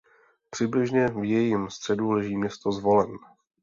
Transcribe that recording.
Přibližně v jejím středu leží město Zvolen.